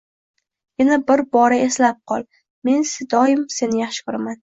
Yana bir bora eslab qol, men doimo seni yaxshi ko‘raman.